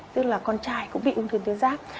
tức là con trai cũng bị ung thư tuyến ráp